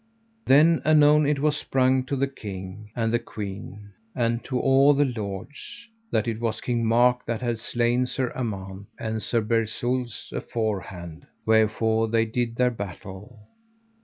Then anon it was sprung to the king, and the queen, and to all the lords, that it was King Mark that had slain Sir Amant, and Sir Bersules afore hand; wherefore they did their battle.